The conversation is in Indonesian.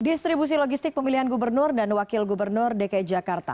distribusi logistik pemilihan gubernur dan wakil gubernur dki jakarta